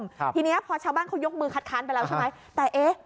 ทีเนี้ยพอชาวบ้านเขายกมือคัดค้านไปแล้วใช่ไหมแต่เอ๊ะ